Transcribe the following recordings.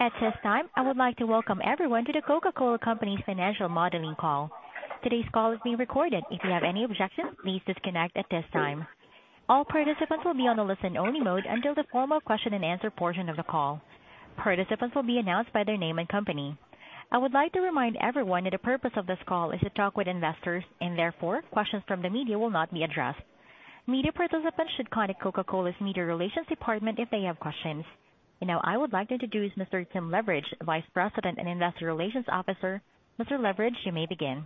At this time, I would like to welcome everyone to The Coca-Cola Company's financial modeling call. Today's call is being recorded. If you have any objections, please disconnect at this time. All participants will be on the listen-only mode until the formal question and answer portion of the call. Participants will be announced by their name and company. I would like to remind everyone that the purpose of this call is to talk with investors. Therefore, questions from the media will not be addressed. Media participants should contact Coca-Cola's media relations department if they have questions. Now I would like to introduce Mr. Tim Leveridge, Vice President and Investor Relations Officer. Mr. Leveridge, you may begin.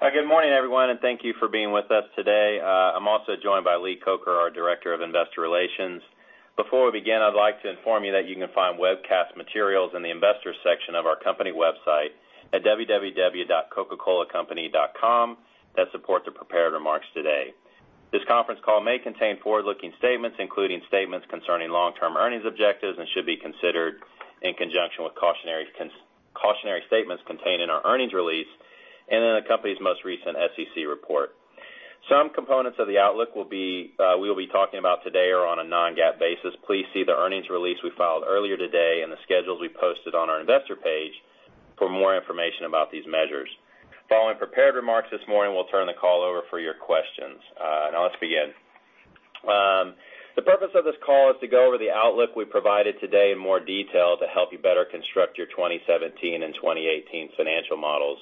Good morning, everyone. Thank you for being with us today. I'm also joined by Lee Coker, our Director of Investor Relations. Before we begin, I'd like to inform you that you can find webcast materials in the investors section of our company website at www.coca-colacompany.com that support the prepared remarks today. This conference call may contain forward-looking statements, including statements concerning long-term earnings objectives, and should be considered in conjunction with cautionary statements contained in our earnings release and in the company's most recent SEC report. Some components of the outlook we'll be talking about today are on a non-GAAP basis. Please see the earnings release we filed earlier today and the schedules we posted on our investor page for more information about these measures. Following prepared remarks this morning, we'll turn the call over for your questions. Let's begin. The purpose of this call is to go over the outlook we've provided today in more detail to help you better construct your 2017 and 2018 financial models.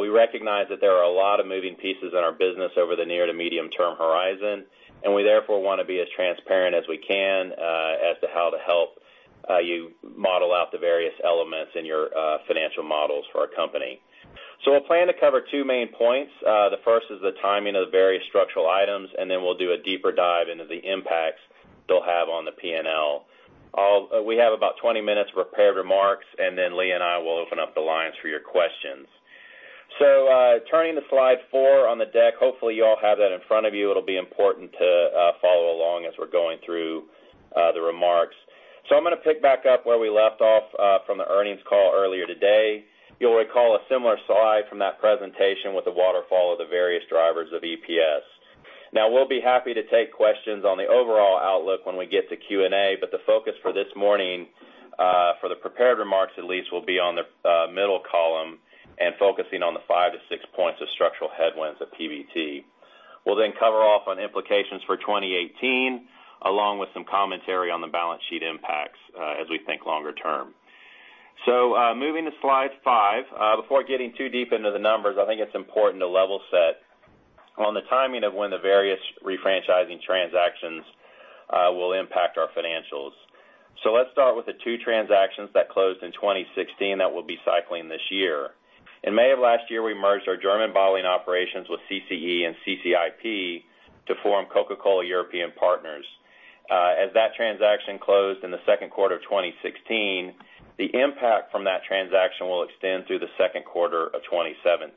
We recognize that there are a lot of moving pieces in our business over the near to medium-term horizon, and we therefore want to be as transparent as we can as to how to help you model out the various elements in your financial models for our company. We'll plan to cover two main points. The first is the timing of the various structural items, and then we'll do a deeper dive into the impacts they'll have on the P&L. We have about 20 minutes of prepared remarks, and then Lee and I will open up the lines for your questions. Turning to slide four on the deck. Hopefully, you all have that in front of you. It'll be important to follow along as we're going through the remarks. I'm going to pick back up where we left off from the earnings call earlier today. You'll recall a similar slide from that presentation with the waterfall of the various drivers of EPS. We'll be happy to take questions on the overall outlook when we get to Q&A, but the focus for this morning, for the prepared remarks at least, will be on the middle column and focusing on the five to six points of structural headwinds of PBT. We'll then cover off on implications for 2018, along with some commentary on the balance sheet impacts as we think longer term. Moving to slide five. Before getting too deep into the numbers, I think it's important to level set on the timing of when the various refranchising transactions will impact our financials. Let's start with the two transactions that closed in 2016 that we'll be cycling this year. In May of last year, we merged our German bottling operations with CCE and CCIP to form Coca-Cola European Partners. As that transaction closed in the second quarter of 2016, the impact from that transaction will extend through the second quarter of 2017.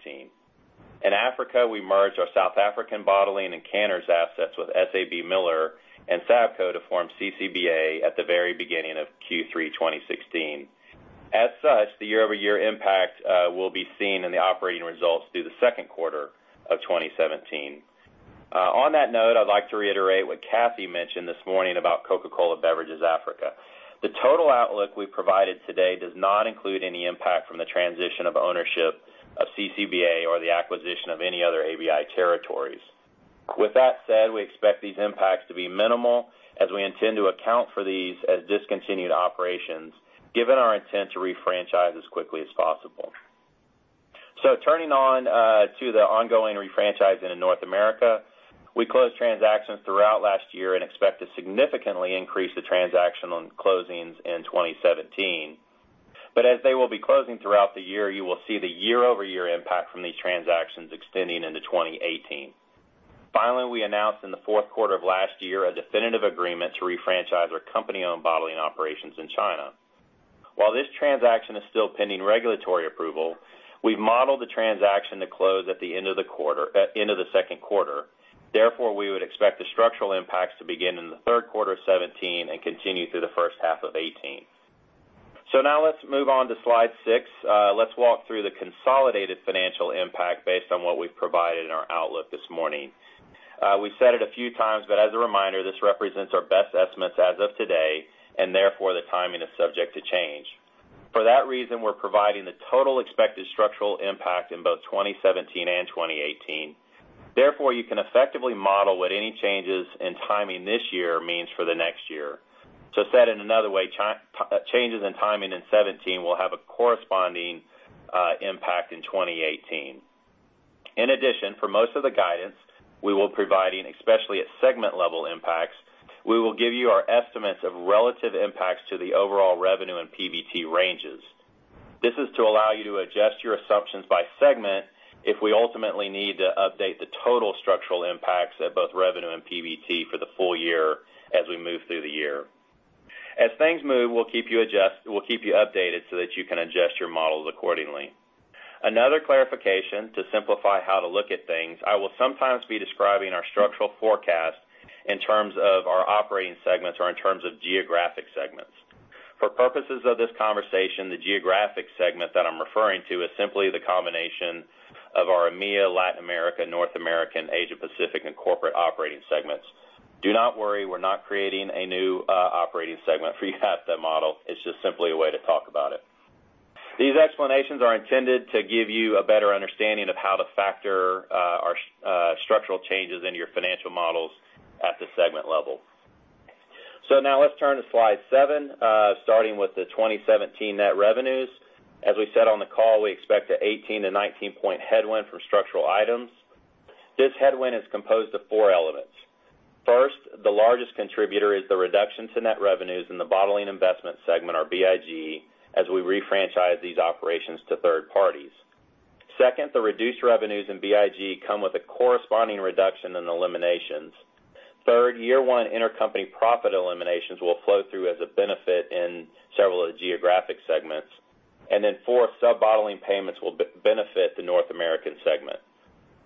In Africa, we merged our South African bottling and canners assets with SABMiller and SABCO to form CCBA at the very beginning of Q3 2016. As such, the year-over-year impact will be seen in the operating results through the second quarter of 2017. On that note, I'd like to reiterate what Kathy mentioned this morning about Coca-Cola Beverages Africa. The total outlook we've provided today does not include any impact from the transition of ownership of CCBA or the acquisition of any other ABI territories. With that said, we expect these impacts to be minimal as we intend to account for these as discontinued operations, given our intent to refranchise as quickly as possible. Turning on to the ongoing refranchising in North America. We closed transactions throughout last year and expect to significantly increase the transactional closings in 2017. As they will be closing throughout the year, you will see the year-over-year impact from these transactions extending into 2018. Finally, we announced in the fourth quarter of last year a definitive agreement to refranchise our company-owned bottling operations in China. While this transaction is still pending regulatory approval, we've modeled the transaction to close at the end of the second quarter. Therefore, we would expect the structural impacts to begin in the third quarter of 2017 and continue through the first half of 2018. Now let's move on to slide six. Let's walk through the consolidated financial impact based on what we've provided in our outlook this morning. We've said it a few times, but as a reminder, this represents our best estimates as of today and therefore the timing is subject to change. For that reason, we're providing the total expected structural impact in both 2017 and 2018. Therefore, you can effectively model what any changes in timing this year means for the next year. To say it in another way, changes in timing in 2017 will have a corresponding impact in 2018. In addition, for most of the guidance we will providing, especially at segment-level impacts, we will give you our estimates of relative impacts to the overall revenue and PBT ranges. This is to allow you to adjust your assumptions by segment if we ultimately need to update the total structural impacts at both revenue and PBT for the full year as we move through the year. As things move, we'll keep you updated so that you can adjust your models accordingly. Another clarification to simplify how to look at things, I will sometimes be describing our structural forecast in terms of our operating segments or in terms of geographic segments. For purposes of this conversation, the geographic segment that I'm referring to is simply the combination of our EMEA, Latin America, North American, Asia Pacific, and corporate operating segments. Do not worry, we're not creating a new operating segment for you at the model. It's just simply a way to talk about it. These explanations are intended to give you a better understanding of how to factor our structural changes into your financial models at the segment level. Let's turn to slide seven, starting with the 2017 net revenues. As we said on the call, we expect an 18- to 19-point headwind from structural items. This headwind is composed of four elements. First, the largest contributor is the reduction to net revenues in the bottling investment segment, or BIG, as we refranchise these operations to third parties. Second, the reduced revenues in BIG come with a corresponding reduction in eliminations. Third, year one intercompany profit eliminations will flow through as a benefit in several of the geographic segments. Fourth, sub-bottling payments will benefit the North American segment.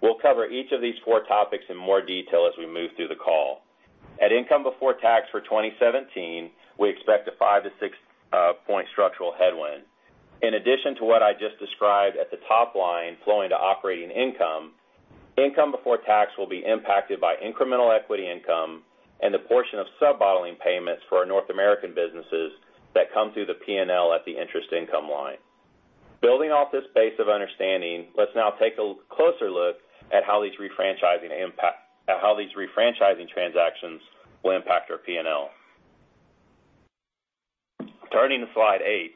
We'll cover each of these four topics in more detail as we move through the call. At income before tax for 2017, we expect a five- to six-point structural headwind. In addition to what I just described at the top line flowing to operating income before tax will be impacted by incremental equity income and the portion of sub-bottling payments for our North American businesses that come through the P&L at the interest income line. Building off this base of understanding, let's now take a closer look at how these refranchising transactions will impact our P&L. Turning to slide eight.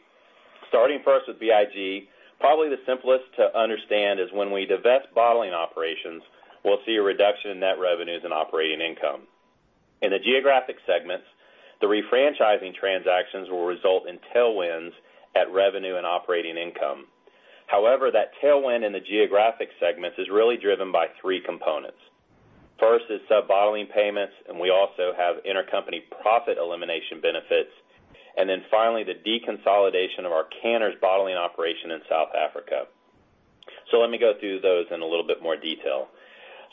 Starting first with BIG, probably the simplest to understand is when we divest bottling operations, we'll see a reduction in net revenues and operating income. In the geographic segments, the refranchising transactions will result in tailwinds at revenue and operating income. However, that tailwind in the geographic segments is really driven by three components. First is sub-bottling payments, we also have intercompany profit elimination benefits, finally, the deconsolidation of our Coca-Cola Canners bottling operation in South Africa. Let me go through those in a little bit more detail.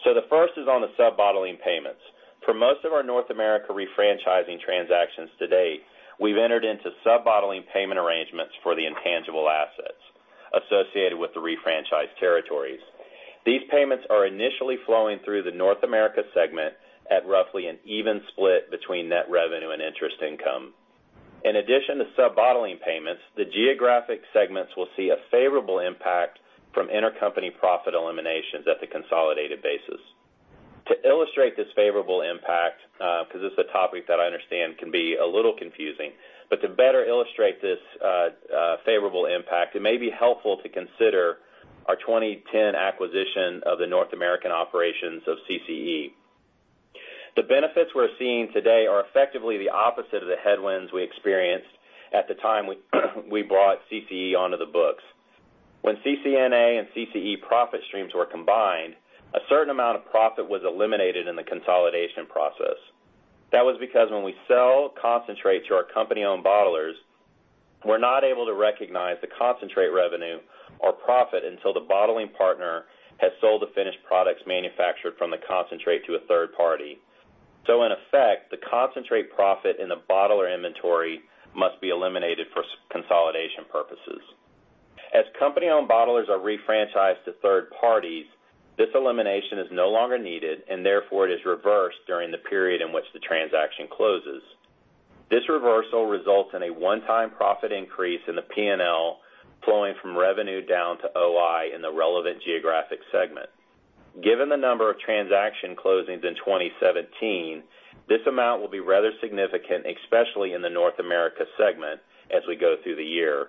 The first is on the sub-bottling payments. For most of our North America refranchising transactions to date, we've entered into sub-bottling payment arrangements for the intangible assets associated with the refranchised territories. These payments are initially flowing through the North America segment at roughly an even split between net revenue and interest income. In addition to sub-bottling payments, the geographic segments will see a favorable impact from intercompany profit eliminations at the consolidated basis. To illustrate this favorable impact, because this is a topic that I understand can be a little confusing, but to better illustrate this favorable impact, it may be helpful to consider our 2010 acquisition of the North American operations of CCE. The benefits we're seeing today are effectively the opposite of the headwinds we experienced at the time we brought CCE onto the books. When CCNA and CCE profit streams were combined, a certain amount of profit was eliminated in the consolidation process. That was because when we sell concentrate to our company-owned bottlers, we're not able to recognize the concentrate revenue or profit until the bottling partner has sold the finished products manufactured from the concentrate to a third party. In effect, the concentrate profit in the bottler inventory must be eliminated for consolidation purposes. As company-owned bottlers are refranchised to third parties, this elimination is no longer needed, and therefore, it is reversed during the period in which the transaction closes. This reversal results in a one-time profit increase in the P&L flowing from revenue down to OI in the relevant geographic segment. Given the number of transaction closings in 2017, this amount will be rather significant, especially in the North America segment as we go through the year.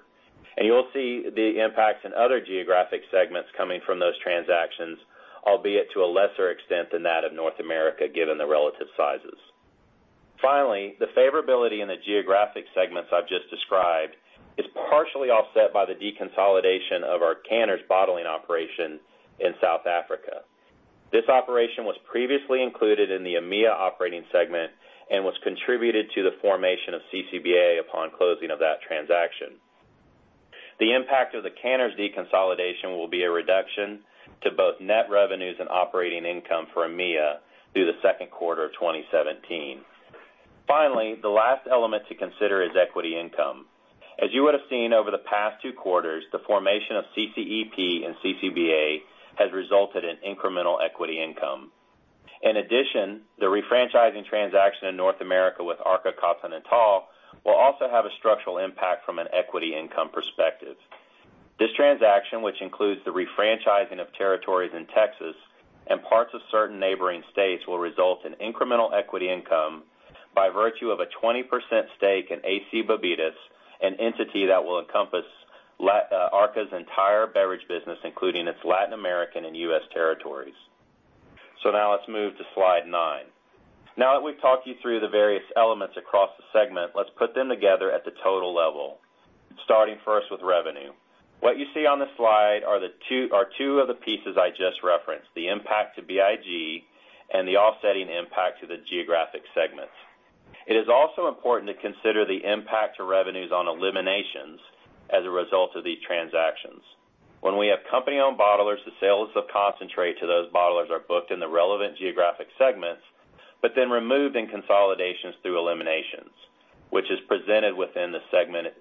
You'll see the impacts in other geographic segments coming from those transactions, albeit to a lesser extent than that of North America, given their relative sizes. Finally, the favorability in the geographic segments I've just described is partially offset by the deconsolidation of our Canners bottling operation in South Africa. This operation was previously included in the EMEA operating segment and was contributed to the formation of CCBA upon closing of that transaction. The impact of the Canners deconsolidation will be a reduction to both net revenues and operating income for EMEA through the second quarter of 2017. Finally, the last element to consider is equity income. As you would have seen over the past two quarters, the formation of CCEP and CCBA has resulted in incremental equity income. In addition, the refranchising transaction in North America with Arca Continental will also have a structural impact from an equity income perspective. This transaction, which includes the refranchising of territories in Texas and parts of certain neighboring states, will result in incremental equity income by virtue of a 20% stake in AC Bebidas, an entity that will encompass Arca's entire beverage business, including its Latin American and U.S. territories. Now let's move to slide nine. Now that we've talked you through the various elements across the segment, let's put them together at the total level, starting first with revenue. What you see on the slide are two of the pieces I just referenced, the impact to BIG and the offsetting impact to the geographic segments. It is also important to consider the impact to revenues on eliminations as a result of these transactions. When we have company-owned bottlers, the sales of concentrate to those bottlers are booked in the relevant geographic segments, but then removed in consolidations through eliminations, which is presented within the segment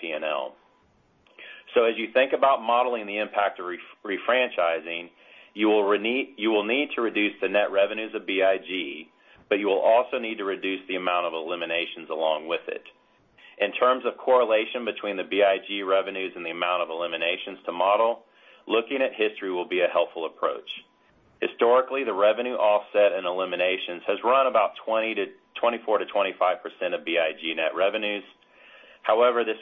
P&L. As you think about modeling the impact of refranchising, you will need to reduce the net revenues of BIG, but you will also need to reduce the amount of eliminations along with it. In terms of correlation between the BIG revenues and the amount of eliminations to model, looking at history will be a helpful approach. Historically, the revenue offset and eliminations has run about 24%-25% of BIG net revenues. However, this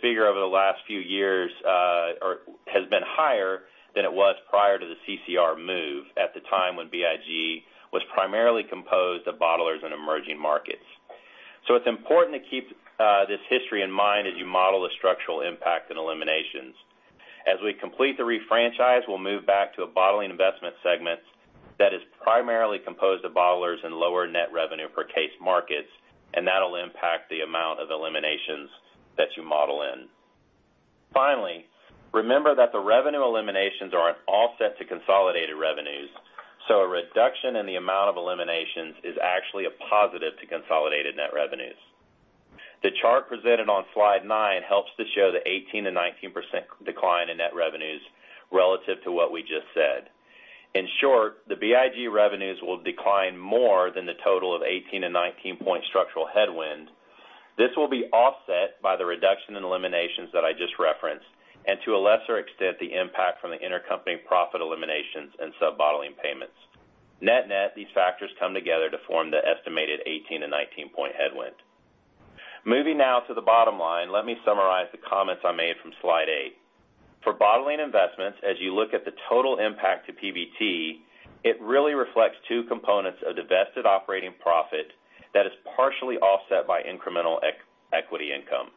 figure over the last few years has been higher than it was prior to the CCR move at the time when BIG was primarily composed of bottlers in emerging markets. It's important to keep this history in mind as you model the structural impact and eliminations. As we complete the refranchise, we'll move back to a bottling investment segment that is primarily composed of bottlers in lower net revenue per case markets, and that'll impact the amount of eliminations that you model in. Finally, remember that the revenue eliminations are an offset to consolidated revenues. A reduction in the amount of eliminations is actually a positive to consolidated net revenues. The chart presented on slide nine helps to show the 18%-19% decline in net revenues relative to what we just said. In short, the BIG revenues will decline more than the total of 18 and 19-point structural headwind. This will be offset by the reduction in eliminations that I just referenced, and to a lesser extent, the impact from the intercompany profit eliminations and sub-bottling payments. Net-net, these factors come together to form the estimated 18 to 19-point headwind. Moving now to the bottom line, let me summarize the comments I made from slide eight. For bottling investments, as you look at the total impact to PBT, it really reflects two components of divested operating profit that is partially offset by incremental equity income.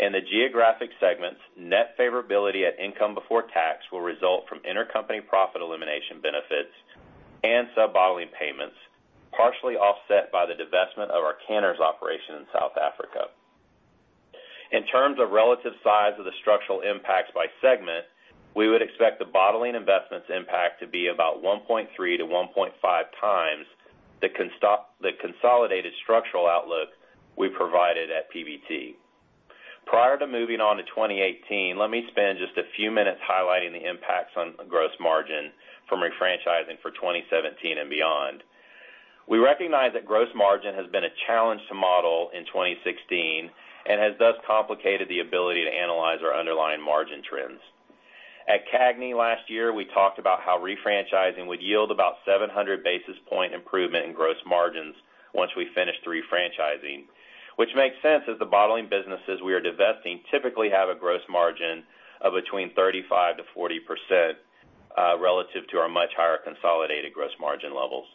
In the geographic segments, net favorability at income before tax will result from intercompany profit elimination benefits and sub-bottling payments, partially offset by the divestment of our Coca-Cola Canners operation in South Africa. In terms of relative size of the structural impacts by segment, we would expect the bottling investments impact to be about 1.3 to 1.5 times the consolidated structural outlook we provided at PBT. Prior to moving on to 2018, let me spend just a few minutes highlighting the impacts on gross margin from refranchising for 2017 and beyond. We recognize that gross margin has been a challenge to model in 2016 and has thus complicated the ability to analyze our underlying margin trends. At CAGNY last year, we talked about how refranchising would yield about 700 basis point improvement in gross margins once we finished refranchising. Which makes sense, as the bottling businesses we are divesting typically have a gross margin of between 35%-40% relative to our much higher consolidated gross margin levels.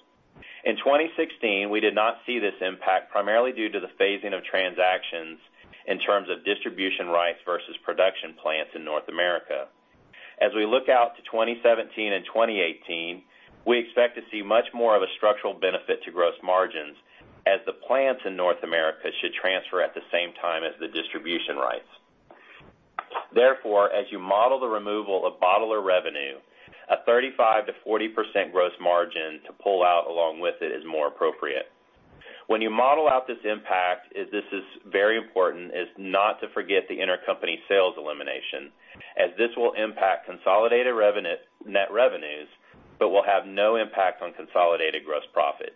In 2016, we did not see this impact, primarily due to the phasing of transactions in terms of distribution rights versus production plants in Coca-Cola North America. As we look out to 2017 and 2018, we expect to see much more of a structural benefit to gross margins as the plants in Coca-Cola North America should transfer at the same time as the distribution rights. Therefore, as you model the removal of bottler revenue, a 35%-40% gross margin to pull out along with it is more appropriate. When you model out this impact, this is very important, is not to forget the intercompany sales elimination, as this will impact consolidated net revenues but will have no impact on consolidated gross profit.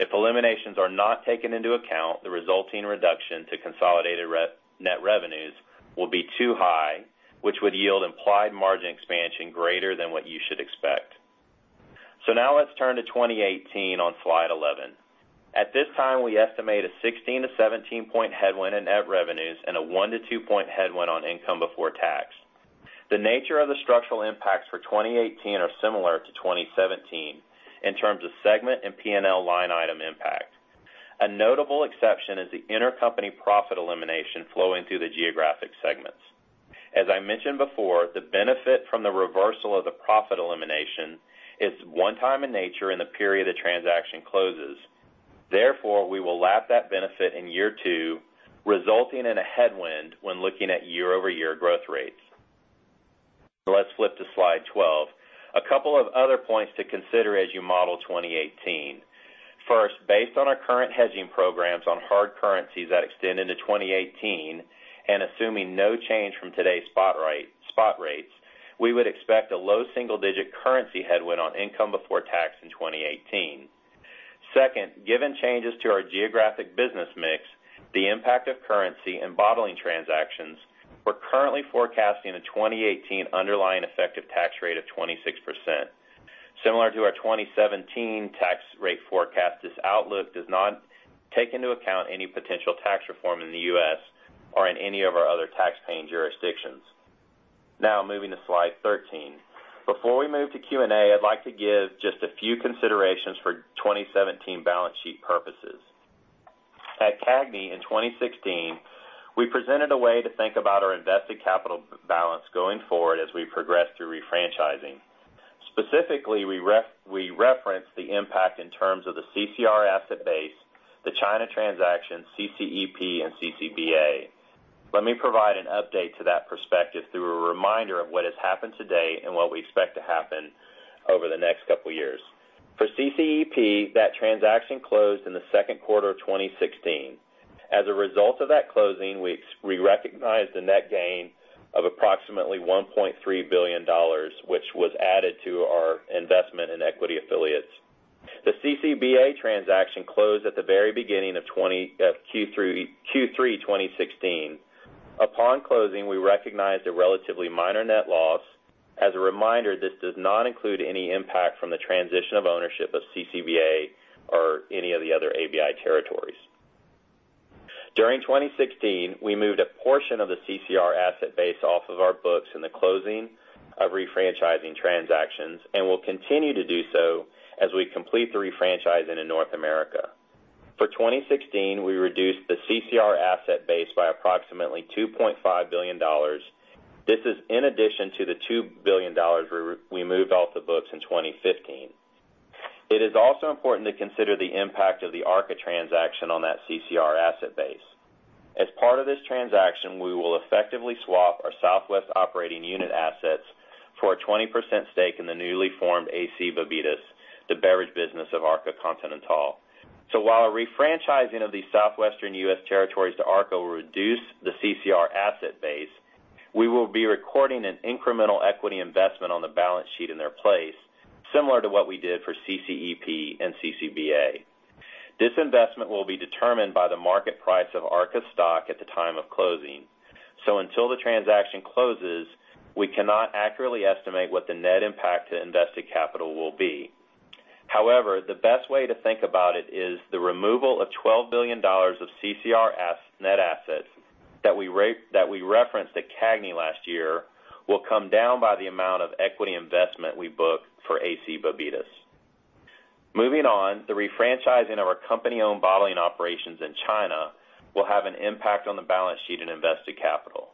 If eliminations are not taken into account, the resulting reduction to consolidated net revenues will be too high, which would yield implied margin expansion greater than what you should expect. Now let's turn to 2018 on slide 11. At this time, we estimate a 16 to 17-point headwind in net revenues and a one to two-point headwind on income before tax. The nature of the structural impacts for 2018 are similar to 2017 in terms of segment and P&L line item impact. A notable exception is the intercompany profit elimination flowing through the geographic segments. As I mentioned before, the benefit from the reversal of the profit elimination is one time in nature in the period a transaction closes. Therefore, we will lap that benefit in year two, resulting in a headwind when looking at year-over-year growth rates. Let's flip to slide 12. A couple of other points to consider as you model 2018. First, based on our current hedging programs on hard currencies that extend into 2018, and assuming no change from today's spot rates, we would expect a low single-digit currency headwind on income before tax in 2018. Second, given changes to our geographic business mix, the impact of currency and bottling transactions, we're currently forecasting a 2018 underlying effective tax rate of 26%. Similar to our 2017 tax rate forecast, this outlook does not take into account any potential tax reform in the U.S. or in any of our other tax paying jurisdictions. Moving to slide 13. Before we move to Q&A, I'd like to give just a few considerations for 2017 balance sheet purposes. At CAGNY in 2016, we presented a way to think about our invested capital balance going forward as we progress through refranchising. Specifically, we referenced the impact in terms of the CCR asset base, the China transaction, CCEP, and CCBA. Let me provide an update to that perspective through a reminder of what has happened today and what we expect to happen over the next couple of years. For CCEP, that transaction closed in the second quarter of 2016. As a result of that closing, we recognized a net gain of approximately $1.3 billion, which was added to our investment in equity affiliates. The CCBA transaction closed at the very beginning of Q3 2016. Upon closing, we recognized a relatively minor net loss. As a reminder, this does not include any impact from the transition of ownership of CCBA or any of the other ABI territories. During 2016, we moved a portion of the CCR asset base off of our books in the closing of refranchising transactions and will continue to do so as we complete the refranchising in North America. For 2016, we reduced the CCR asset base by approximately $2.5 billion. This is in addition to the $2 billion we moved off the books in 2015. It is also important to consider the impact of the Arca transaction on that CCR asset base. As part of this transaction, we will effectively swap our Southwest operating unit assets for a 20% stake in the newly formed AC Bebidas, the beverage business of Arca Continental. While refranchising of the Southwestern U.S. territories to Arca will reduce the CCR asset base, we will be recording an incremental equity investment on the balance sheet in their place, similar to what we did for CCEP and CCBA. This investment will be determined by the market price of Arca stock at the time of closing. Until the transaction closes, we cannot accurately estimate what the net impact to invested capital will be. However, the best way to think about it is the removal of $12 billion of CCR net assets that we referenced at CAGNY last year will come down by the amount of equity investment we book for AC Bebidas. Moving on, the refranchising of our company-owned bottling operations in China will have an impact on the balance sheet in invested capital.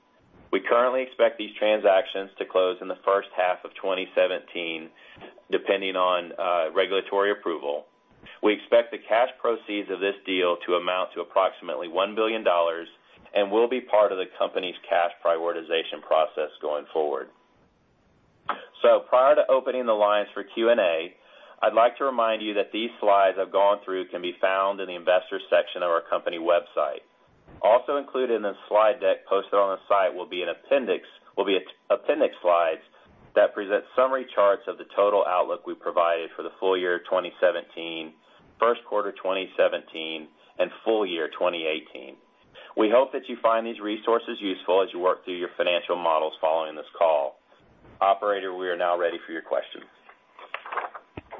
We currently expect these transactions to close in the first half of 2017, depending on regulatory approval. We expect the cash proceeds of this deal to amount to approximately $1 billion and will be part of the company's cash prioritization process going forward. Prior to opening the lines for Q&A, I'd like to remind you that these slides I've gone through can be found in the investor section of our company website. Also included in the slide deck posted on the site will be appendix slides that present summary charts of the total outlook we provided for the full year 2017, first quarter 2017, and full year 2018. We hope that you find these resources useful as you work through your financial models following this call. Operator, we are now ready for your questions.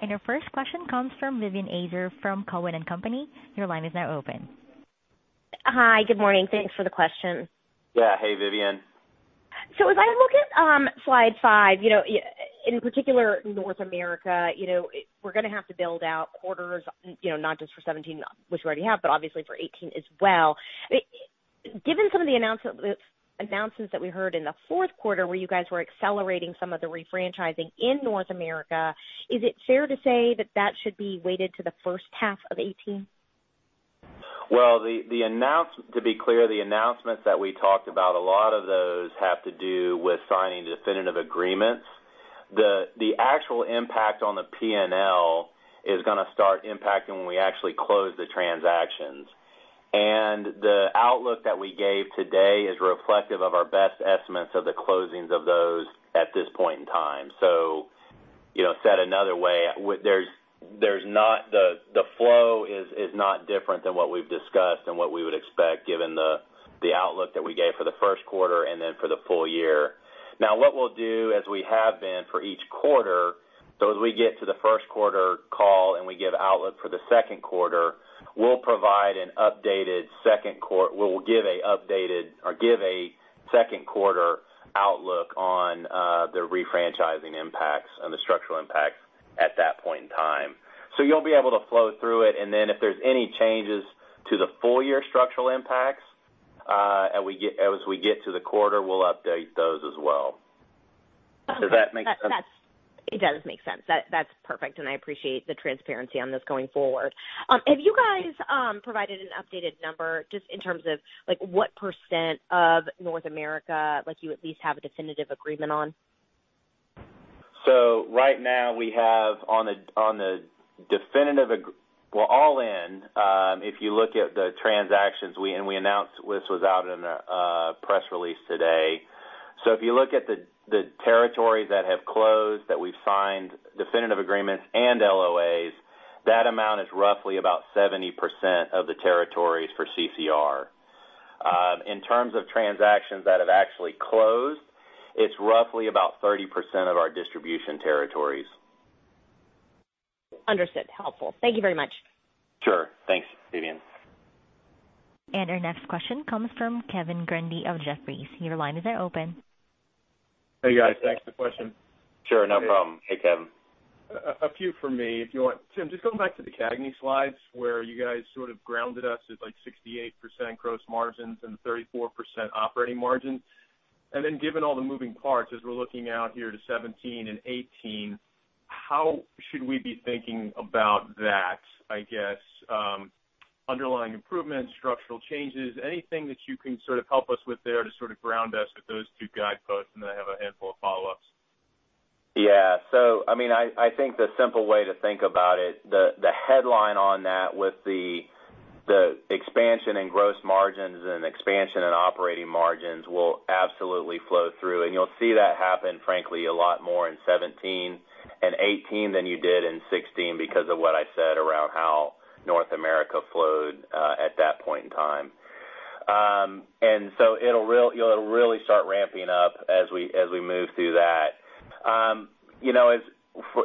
Your first question comes from Vivien Azer from Cowen and Company. Your line is now open. Hi. Good morning. Thanks for the question. Yeah. Hey, Vivien. As I look at slide five, in particular North America, we're going to have to build out quarters, not just for 2017, which we already have, but obviously for 2018 as well. Given some of the announcements that we heard in the fourth quarter, where you guys were accelerating some of the refranchising in North America, is it fair to say that that should be weighted to the first half of 2018? To be clear, the announcements that we talked about, a lot of those have to do with signing definitive agreements. The actual impact on the P&L is going to start impacting when we actually close the transactions. The outlook that we gave today is reflective of our best estimates of the closings of those at this point in time. Said another way, the flow is not different than what we've discussed and what we would expect given the outlook that we gave for the first quarter and then for the full year. What we'll do, as we have been for each quarter, as we get to the first quarter call and we give outlook for the second quarter, we'll give a second quarter outlook on the refranchising impacts and the structural impacts at that point in time. You'll be able to flow through it, and then if there's any changes to the full year structural impacts as we get to the quarter, we'll update those as well. Does that make sense? It does make sense. That's perfect, and I appreciate the transparency on this going forward. Have you guys provided an updated number just in terms of what % of Coca-Cola North America you at least have a definitive agreement on? Right now, we have on the well, all in, if you look at the transactions, and we announced, this was out in a press release today. If you look at the territories that have closed, that we've signed definitive agreements and LOAs, that amount is roughly about 70% of the territories for CCR. In terms of transactions that have actually closed, it's roughly about 30% of our distribution territories. Understood. Helpful. Thank you very much. Sure. Thanks, Vivien. Our next question comes from Kevin Grundy of Jefferies. Your line is now open. Hey, guys. Thanks for the question. Sure, no problem. Hey, Kevin. A few from me, if you want. Tim, just going back to the CAGNY slides where you guys sort of grounded us at 68% gross margins and 34% operating margin. Given all the moving parts as we're looking out here to 2017 and 2018, how should we be thinking about that? I guess, underlying improvements, structural changes, anything that you can sort of help us with there to sort of ground us with those two guideposts? Then I have a handful of follow-ups. Yeah. I think the simple way to think about it, the headline on that with the expansion in gross margins and expansion in operating margins will absolutely flow through. You'll see that happen, frankly, a lot more in 2017 and 2018 than you did in 2016 because of what I said around how North America flowed at that point in time. It'll really start ramping up as we move through that.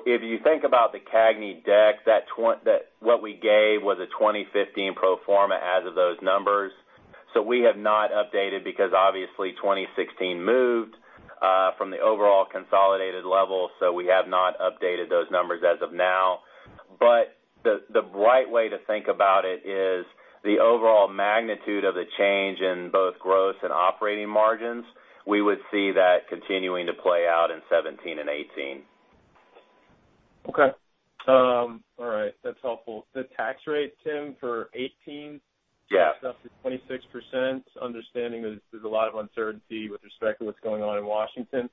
If you think about the CAGNY deck, what we gave was a 2015 pro forma as of those numbers. We have not updated because obviously 2016 moved from the overall consolidated level, so we have not updated those numbers as of now. The right way to think about it is the overall magnitude of the change in both gross and operating margins, we would see that continuing to play out in 2017 and 2018. Okay. All right. That's helpful. The tax rate, Tim, for 2018- Yeah steps up to 26%, understanding there's a lot of uncertainty with respect to what's going on in Washington.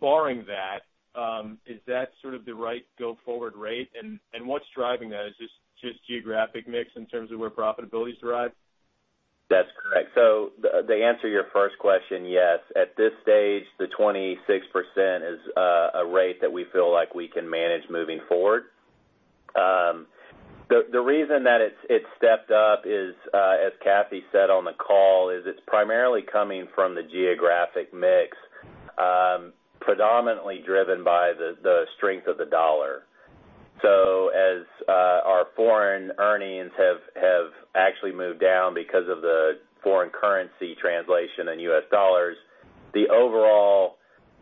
Barring that, is that sort of the right go forward rate? What's driving that? Is this just geographic mix in terms of where profitability is derived? That's correct. To answer your first question, yes. At this stage, the 26% is a rate that we feel like we can manage moving forward. The reason that it stepped up is, as Kathy said on the call, it's primarily coming from the geographic mix, predominantly driven by the strength of the dollar. As our foreign earnings have actually moved down because of the foreign currency translation in U.S. dollars, the overall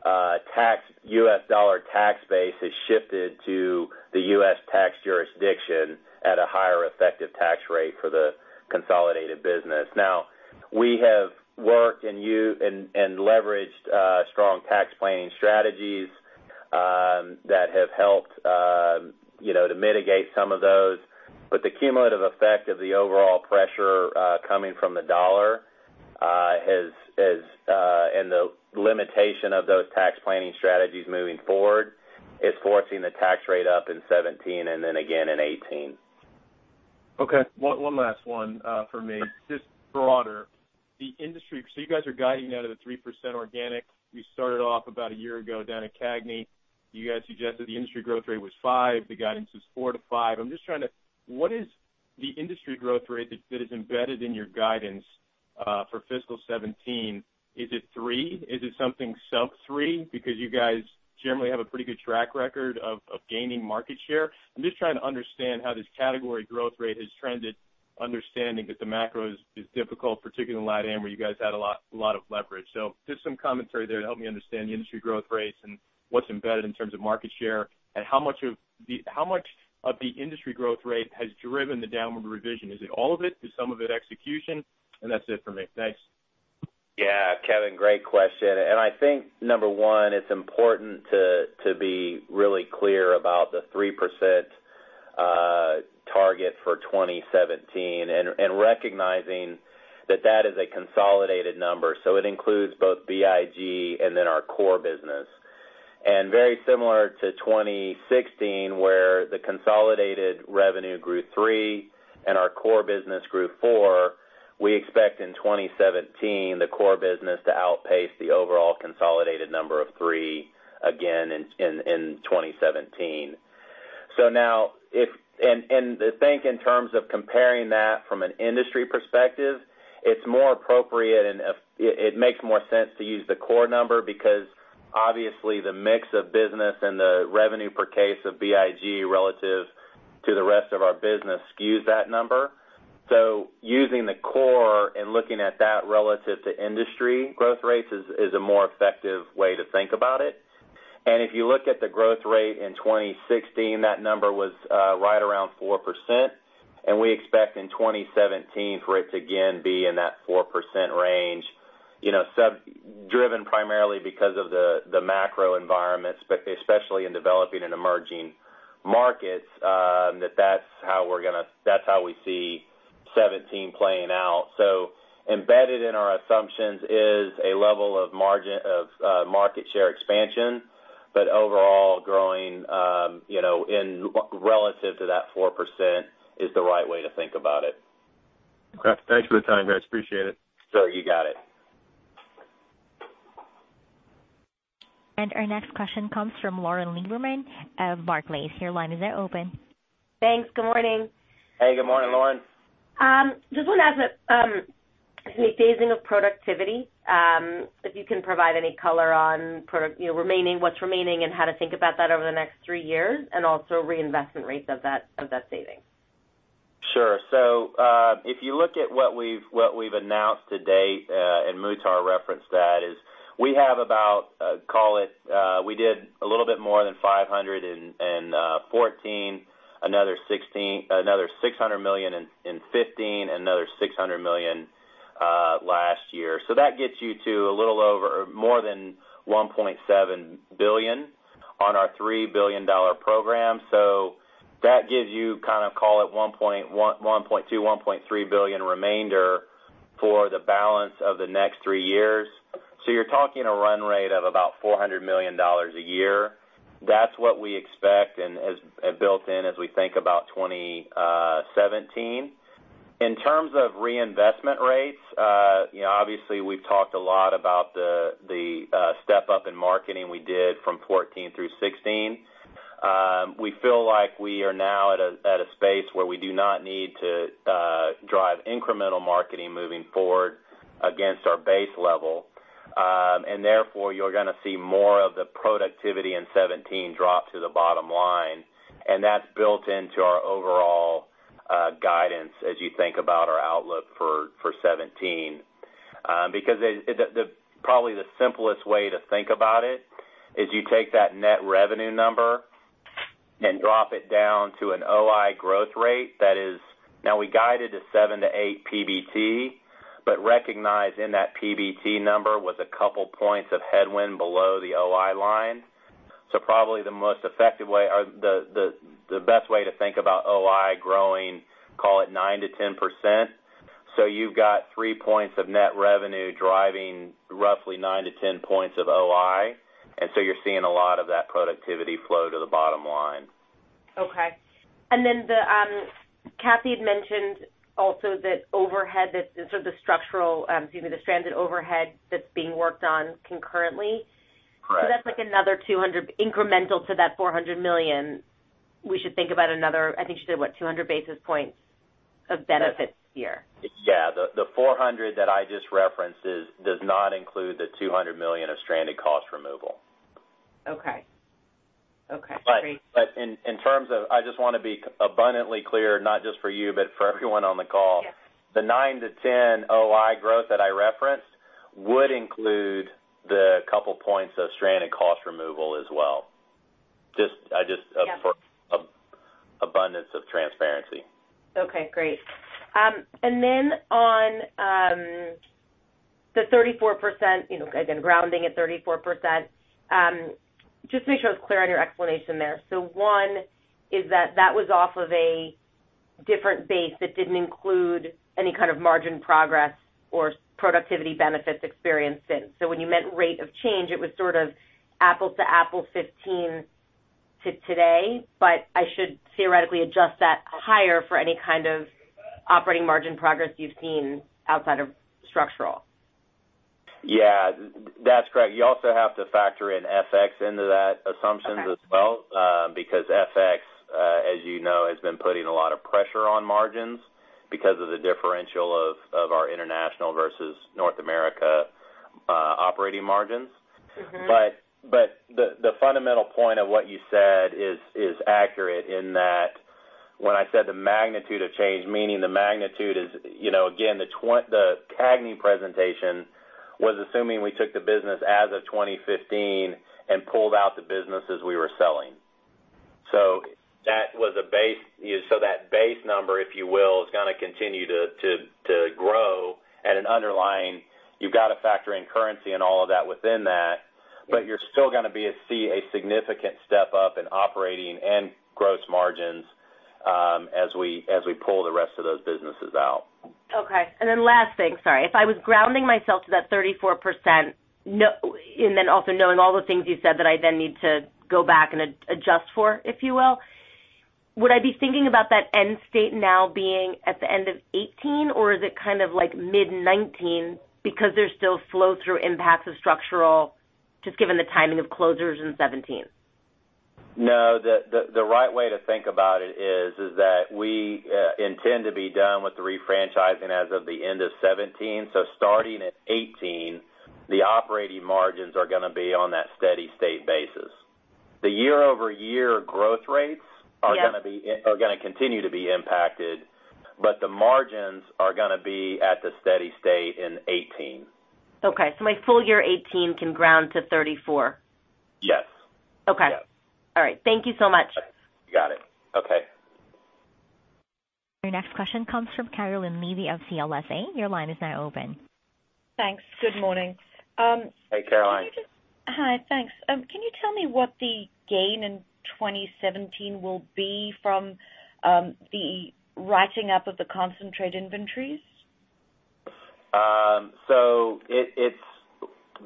U.S. dollar tax base has shifted to the U.S. tax jurisdiction at a higher effective tax rate for the consolidated business. We have worked and leveraged strong tax planning strategies that have helped to mitigate some of those. The cumulative effect of the overall pressure coming from the dollar and the limitation of those tax planning strategies moving forward is forcing the tax rate up in 2017 and then again in 2018. Okay. One last one from me. Just broader. You guys are guiding out of the 3% organic. You started off about a year ago down at CAGNY. You guys suggested the industry growth rate was 5%, the guidance was 4%-5%. What is the industry growth rate that is embedded in your guidance for fiscal 2017? Is it 3%? Is it something sub 3%? You guys generally have a pretty good track record of gaining market share. I'm just trying to understand how this category growth rate has trended, understanding that the macro is difficult, particularly in LatAm, where you guys had a lot of leverage. Just some commentary there to help me understand the industry growth rates and what's embedded in terms of market share. How much of the industry growth rate has driven the downward revision? Is it all of it? Is some of it execution? That's it for me. Thanks. Yeah, Kevin, great question. I think, number one, it's important to be really clear about the 3% target for 2017 and recognizing that that is a consolidated number. It includes both BIG and then our core business. Very similar to 2016 where the consolidated revenue grew 3% and our core business grew 4%, we expect in 2017 the core business to outpace the overall consolidated number of 3% again in 2017. To think in terms of comparing that from an industry perspective, it's more appropriate and it makes more sense to use the core number because obviously the mix of business and the revenue per case of BIG relative to the rest of our business skews that number. Using the core and looking at that relative to industry growth rates is a more effective way to think about it. If you look at the growth rate in 2016, that number was right around 4%. We expect in 2017 for it to again be in that 4% range, driven primarily because of the macro environment, especially in developing and emerging markets, that that's how we see 2017 playing out. Embedded in our assumptions is a level of market share expansion, but overall growing relative to that 4% is the right way to think about it. Okay. Thanks for the time, guys. Appreciate it. Sure, you got it. Our next question comes from Lauren Lieberman of Barclays. Your line is now open. Thanks. Good morning. Hey, good morning, Lauren. Just want to ask the phasing of productivity, if you can provide any color on what's remaining and how to think about that over the next three years, and also reinvestment rates of that saving. Sure. If you look at what we've announced to date, and Muhtar referenced that, is we have about, call it, we did a little bit more than $500 million in 2014, another $600 million in 2015, another $600 million last year. That gets you to a little over more than $1.7 billion on our $3 billion program. That gives you, call it, $1.2 billion, $1.3 billion remainder for the balance of the next three years. You're talking a run rate of about $400 million a year. That's what we expect and have built in as we think about 2017. In terms of reinvestment rates, obviously we've talked a lot about the step-up in marketing we did from 2014 through 2016. We feel like we are now at a space where we do not need to drive incremental marketing moving forward against our base level. Therefore, you're going to see more of the productivity in 2017 drop to the bottom line, and that's built into our overall guidance as you think about our outlook for 2017. Probably the simplest way to think about it is you take that net revenue number and drop it down to an OI growth rate. We guided to 7%-8% PBT, but recognized in that PBT number was a couple points of headwind below the OI line. Probably the best way to think about OI growing, call it 9%-10%. You're seeing a lot of that productivity flow to the bottom line. Okay. Kathy had mentioned also the stranded overhead that's being worked on concurrently. Correct. That's like another $200 incremental to that $400 million. We should think about another, I think she said, what, 200 basis points of benefits here? Yeah. The $400 that I just referenced does not include the $200 million of stranded cost removal. Okay. Great. I just want to be abundantly clear, not just for you, but for everyone on the call. Yes. The 9-10 OI growth that I referenced would include the couple points of stranded cost removal as well. Just for abundance of transparency. Okay, great. On the 34%, again, grounding at 34%, just to make sure I was clear on your explanation there. One is that that was off of a different base that didn't include any kind of margin progress or productivity benefits experienced since. When you meant rate of change, it was sort of apples-to-apples 2015 to today. I should theoretically adjust that higher for any kind of operating margin progress you've seen outside of structural. That's correct. You also have to factor in FX into that assumptions as well. Okay. FX, as you know, has been putting a lot of pressure on margins because of the differential of our international versus North America operating margins. The fundamental point of what you said is accurate in that when I said the magnitude of change, meaning the magnitude is, again, the CAGNY presentation was assuming we took the business as of 2015 and pulled out the businesses we were selling. That base number, if you will, is going to continue to grow at an underlying. You've got to factor in currency and all of that within that. Yes. You're still going to see a significant step-up in operating and gross margins as we pull the rest of those businesses out. Last thing, sorry. If I was grounding myself to that 34%, and then also knowing all the things you said that I then need to go back and adjust for, if you will, would I be thinking about that end state now being at the end of 2018? Or is it kind of like mid 2019 because there's still flow-through impacts of structural, just given the timing of closures in 2017? No, the right way to think about it is that we intend to be done with the refranchising as of the end of 2017. Starting in 2018, the operating margins are going to be on that steady-state basis. The year-over-year growth rates- Yeah are going to continue to be impacted, but the margins are going to be at the steady state in 2018. Okay. My full year 2018 can ground to 34%? Yes. Okay. Yes. All right. Thank you so much. You got it. Okay. Your next question comes from Caroline Levy of CLSA. Your line is now open. Thanks. Good morning. Hey, Caroline. Hi. Thanks. Can you tell me what the gain in 2017 will be from the writing up of the concentrate inventories?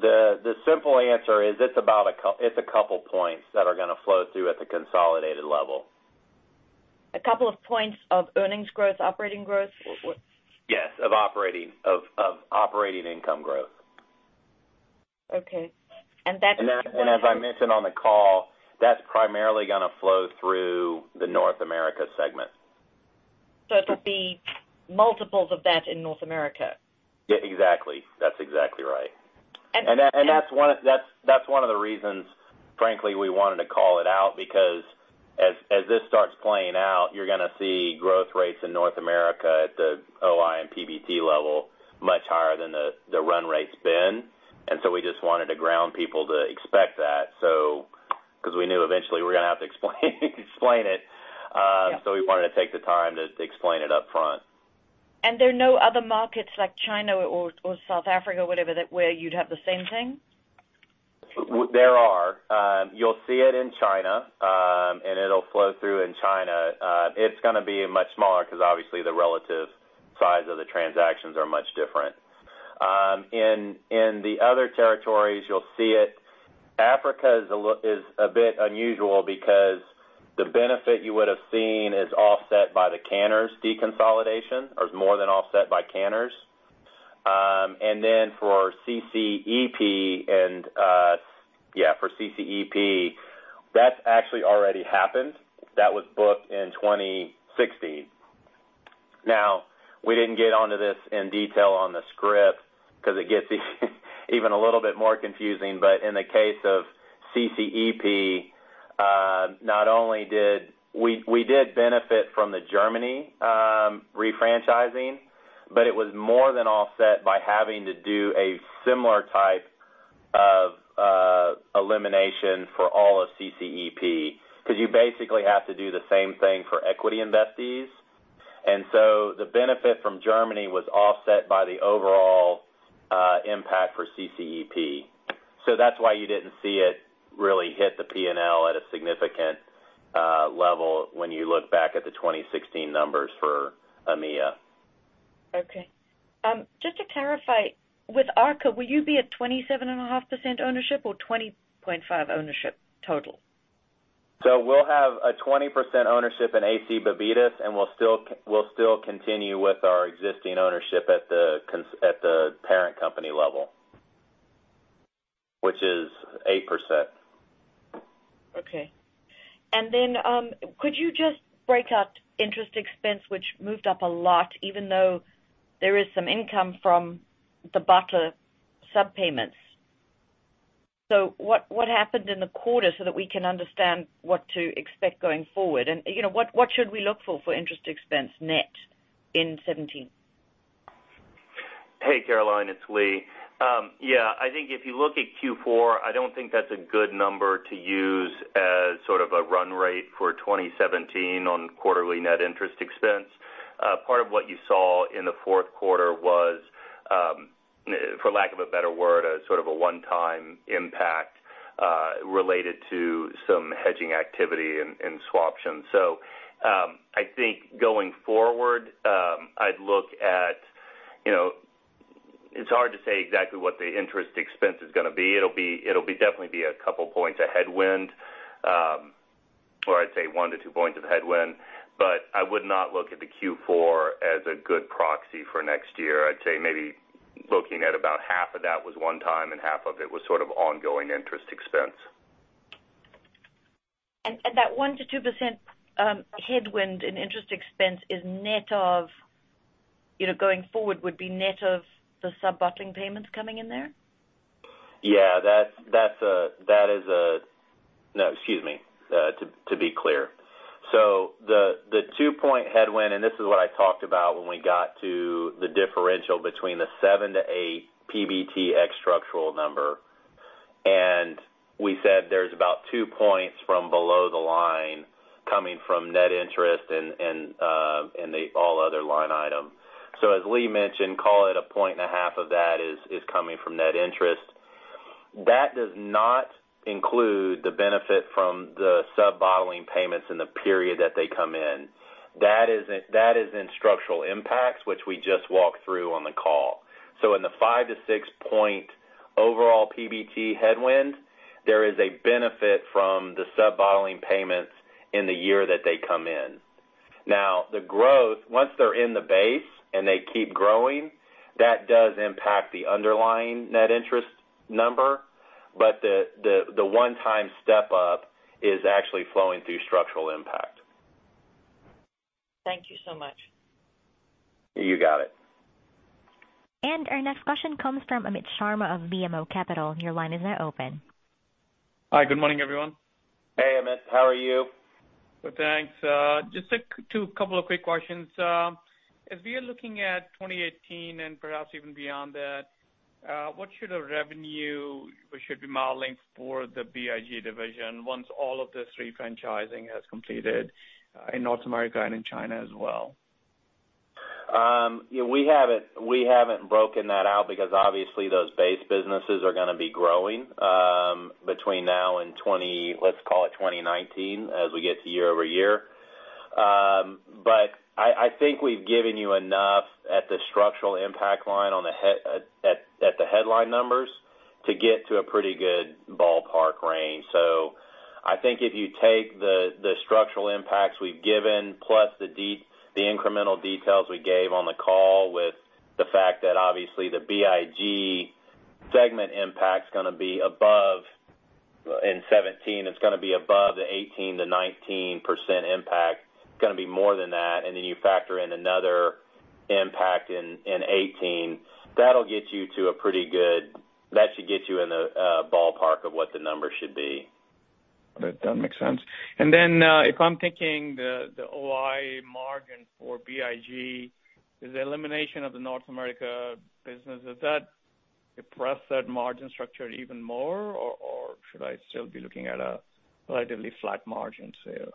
The simple answer is it's a couple points that are going to flow through at the consolidated level. A couple of points of earnings growth, operating growth? Yes, of operating income growth. Okay. As I mentioned on the call, that's primarily going to flow through the North America segment. Multiples of that in North America. Yeah, exactly. That's exactly right. And- That's one of the reasons, frankly, we wanted to call it out, because as this starts playing out, you're gonna see growth rates in North America at the OI and PBT level much higher than the run rate's been. We just wanted to ground people to expect that, because we knew eventually we were gonna have to explain it. Yeah. We wanted to take the time to explain it upfront. There are no other markets like China or South Africa or whatever, where you'd have the same thing? There are. You'll see it in China, and it'll flow through in China. It's gonna be much smaller, because obviously the relative size of the transactions are much different. In the other territories, you'll see it. Africa is a bit unusual because the benefit you would've seen is offset by the Canners deconsolidation, or is more than offset by Canners. For CCEP, that's actually already happened. That was booked in 2016. We didn't get onto this in detail on the script because it gets even a little bit more confusing. In the case of CCEP, we did benefit from the Germany refranchising, but it was more than offset by having to do a similar type of elimination for all of CCEP. You basically have to do the same thing for equity investees. The benefit from Germany was offset by the overall impact for CCEP. That's why you didn't see it really hit the P&L at a significant level when you look back at the 2016 numbers for EMEA. Okay. Just to clarify, with Arca, will you be at 27.5% ownership or 20.5% ownership total? We'll have a 20% ownership in AC Bebidas, and we'll still continue with our existing ownership at the parent company level, which is 8%. Okay. Could you just break out interest expense, which moved up a lot, even though there is some income from the bottler sub-bottling payments? What happened in the quarter so that we can understand what to expect going forward? What should we look for interest expense net in 2017? Hey, Caroline, it's Lee. I think if you look at Q4, I don't think that's a good number to use as sort of a run rate for 2017 on quarterly net interest expense. Part of what you saw in the fourth quarter was, for lack of a better word, a sort of a one-time impact related to some hedging activity in swaptions. I think going forward, it's hard to say exactly what the interest expense is going to be. It'll definitely be a 2 points of headwind, or I'd say 1-2 points of headwind, but I would not look at the Q4 as a good proxy for next year. I'd say maybe looking at about half of that was one time, and half of it was sort of ongoing interest expense. That 1%-2% headwind in interest expense, going forward, would be net of the sub-bottling payments coming in there? No, excuse me. To be clear. The 2-point headwind, and this is what I talked about when we got to the differential between the 7-8 PBT ex structural number, and we said there's about 2 points from below the line coming from net interest and the all other line item. As Lee mentioned, call it a 1.5 points of that is coming from net interest. That does not include the benefit from the sub-bottling payments in the period that they come in. That is in structural impacts, which we just walked through on the call. In the 5-6-point overall PBT headwind, there is a benefit from the sub-bottling payments in the year that they come in. Now, the growth, once they're in the base and they keep growing, that does impact the underlying net interest number. The one-time step up is actually flowing through structural impact. Thank you so much. You got it. Our next question comes from Amit Sharma of BMO Capital. Your line is now open. Hi. Good morning, everyone. Hey, Amit. How are you? Good, thanks. Just a couple of quick questions. As we are looking at 2018 and perhaps even beyond that, what should the revenue, we should be modeling for the BIG division once all of this refranchising has completed in North America and in China as well? We haven't broken that out because obviously those base businesses are gonna be growing between now and, let's call it 2019, as we get to year-over-year. I think we've given you enough at the structural impact line at the headline numbers to get to a pretty good ballpark range. I think if you take the structural impacts we've given, plus the incremental details we gave on the call. Obviously, the BIG segment impact is going to be above in 2017. It's going to be above the 18%-19% impact. It's going to be more than that. You factor in another impact in 2018. That should get you in the ballpark of what the number should be. That makes sense. If I'm thinking the OI margin for BIG is the elimination of the North America business. Does that depress that margin structure even more, or should I still be looking at a relatively flat margin sale? Yeah.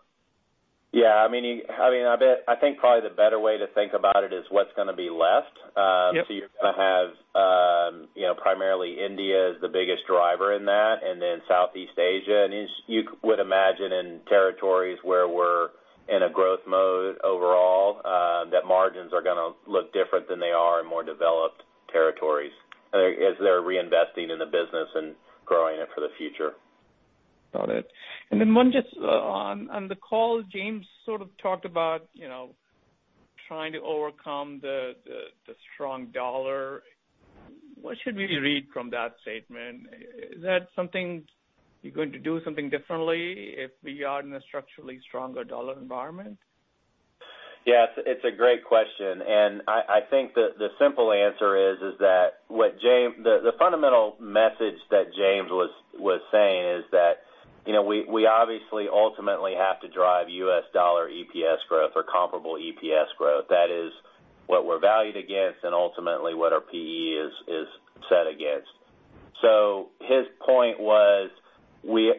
I think probably the better way to think about it is what's going to be left. Yep. You're going to have primarily India as the biggest driver in that, then Southeast Asia. You would imagine in territories where we're in a growth mode overall, that margins are going to look different than they are in more developed territories as they're reinvesting in the business and growing it for the future. Got it. Then one just on the call, James sort of talked about trying to overcome the strong dollar. What should we read from that statement? Is that something you're going to do something differently if we are in a structurally stronger dollar environment? Yeah. It's a great question, and I think the simple answer is that the fundamental message that James was saying is that we obviously ultimately have to drive US dollar EPS growth or comparable EPS growth. That is what we're valued against and ultimately what our PE is set against. His point was we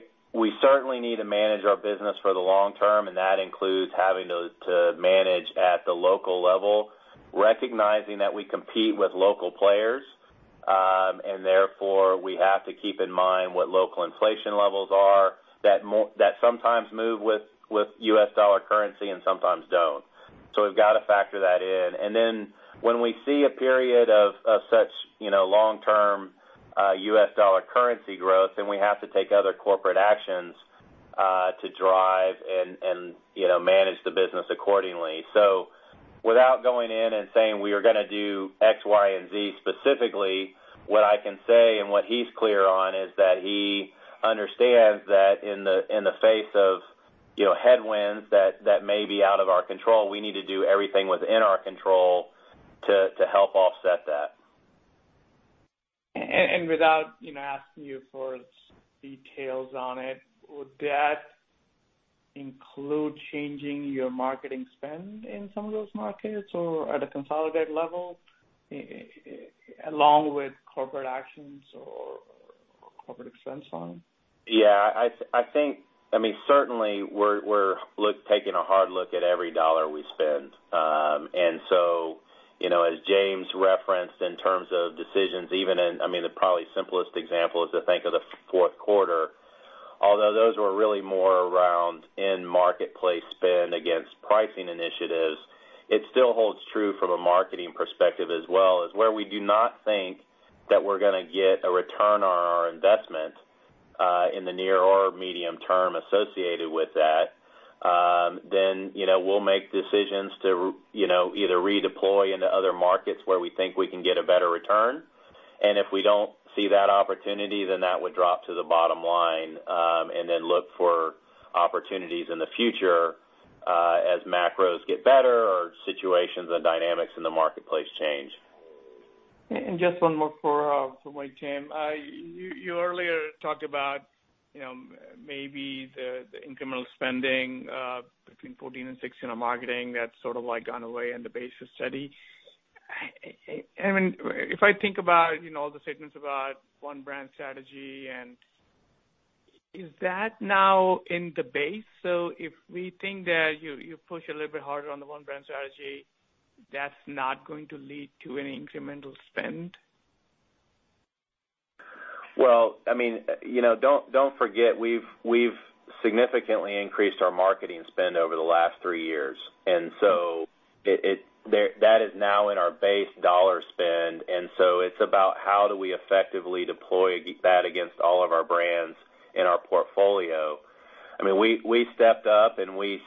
certainly need to manage our business for the long term, and that includes having to manage at the local level, recognizing that we compete with local players. Therefore, we have to keep in mind what local inflation levels are that sometimes move with US dollar currency and sometimes don't. We've got to factor that in. When we see a period of such long-term US dollar currency growth, then we have to take other corporate actions to drive and manage the business accordingly. Without going in and saying we are going to do X, Y, and Z specifically, what I can say and what he's clear on is that he understands that in the face of headwinds that may be out of our control, we need to do everything within our control to help offset that. Without asking you for details on it, would that include changing your marketing spend in some of those markets or at a consolidated level, along with corporate actions or corporate expense line? Yeah. Certainly, we're taking a hard look at every dollar we spend. As James referenced in terms of decisions, even in, probably simplest example is to think of the fourth quarter. Although those were really more around in-marketplace spend against pricing initiatives, it still holds true from a marketing perspective as well, as where we do not think that we're going to get a return on our investment, in the near or medium term associated with that, then we'll make decisions to either redeploy into other markets where we think we can get a better return. If we don't see that opportunity, then that would drop to the bottom line, and then look for opportunities in the future as macros get better or situations and dynamics in the marketplace change. Just one more for Tim. You earlier talked about maybe the incremental spending between 2014 and 2016 on marketing that's sort of gone away and the base is steady. I think about all the statements about one brand strategy, is that now in the base? If we think that you push a little bit harder on the one brand strategy, that's not going to lead to any incremental spend? Don't forget, we've significantly increased our marketing spend over the last three years. That is now in our base dollar spend. It's about how do we effectively deploy that against all of our brands in our portfolio. We stepped up and we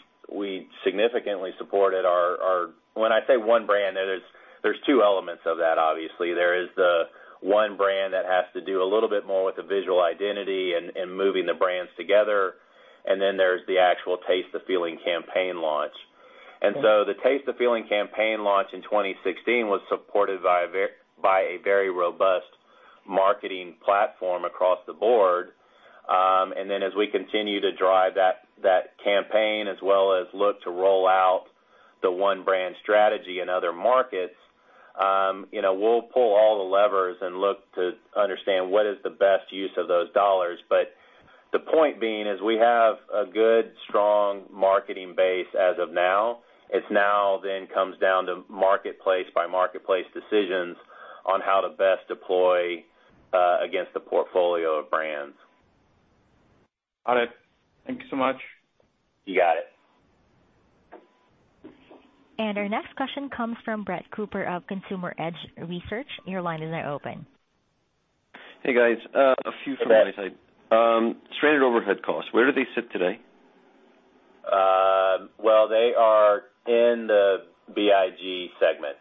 significantly supported our, when I say one brand, there's two elements of that, obviously. There is the one brand that has to do a little bit more with the visual identity and moving the brands together. Then there's the actual Taste the Feeling campaign launch. The Taste the Feeling campaign launch in 2016 was supported by a very robust marketing platform across the board. As we continue to drive that campaign as well as look to roll out the one brand strategy in other markets, we'll pull all the levers and look to understand what is the best use of those dollars. The point being is we have a good, strong marketing base as of now. It now then comes down to marketplace by marketplace decisions on how to best deploy against the portfolio of brands. Got it. Thank you so much. You got it. Our next question comes from Brett Cooper of Consumer Edge Research. Your line is now open. Hey, guys. A few from my side. Hi, Brett. Straight overhead costs, where do they sit today? They are in the BIG segment.